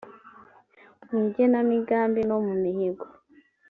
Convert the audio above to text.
mu igenamigambi no mu mihigo